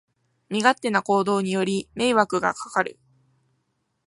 身勝手な行動により迷惑がかかる